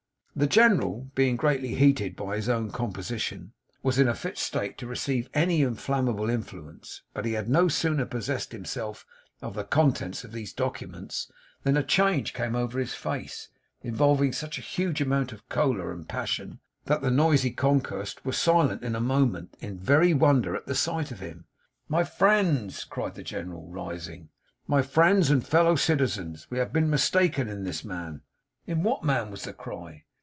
The General, being greatly heated by his own composition, was in a fit state to receive any inflammable influence; but he had no sooner possessed himself of the contents of these documents, than a change came over his face, involving such a huge amount of choler and passion, that the noisy concourse were silent in a moment, in very wonder at the sight of him. 'My friends!' cried the General, rising; 'my friends and fellow citizens, we have been mistaken in this man.' 'In what man?' was the cry.